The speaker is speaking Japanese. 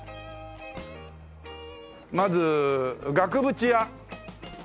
まず額縁屋。